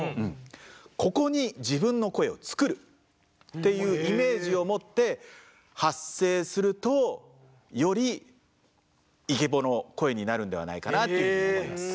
ここに自分の声を作るっていうイメージを持って発声するとよりイケボの声になるのではないかなというふうに思います。